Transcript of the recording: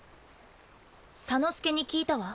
左之助に聞いたわ。